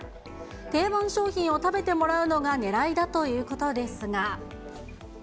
定番商品を食べてもらうのがねらいだということですが。